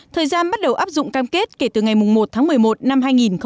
thời gian bắt đầu áp dụng cam kết kể từ ngày một tháng một mươi một năm hai nghìn một mươi chín